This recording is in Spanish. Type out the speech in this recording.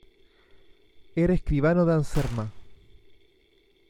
Era escribano de Anserma.